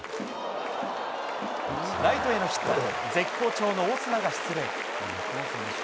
ライトへのヒットで、絶好調のオスナが出塁。